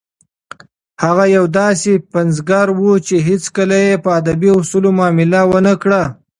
هغه یو داسې پنځګر و چې هیڅکله یې په ادبي اصولو معامله ونه کړه.